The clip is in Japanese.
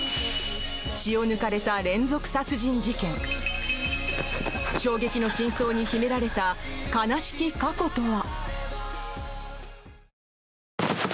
血を抜かれた連続殺人事件衝撃の真相に秘められた悲しき過去とは？